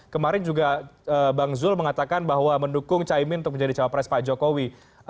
kemarin juga bang yul mengatakan bahwa mendukung caimin untuk menjadi cewek pres pak jokowi